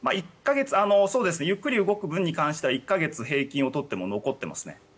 ゆっくり動く分に関しては１か月平均を取っても残ってますね。